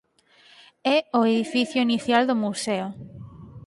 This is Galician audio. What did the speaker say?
É o edificio inicial do museo.